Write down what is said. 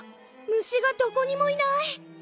虫がどこにもいない！